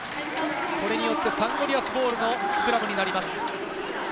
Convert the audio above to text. これによってサンゴリアスボールのスクラムになります。